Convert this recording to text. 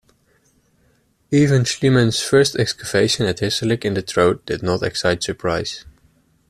Even Schliemann's first excavations at Hissarlik in the Troad did not excite surprise.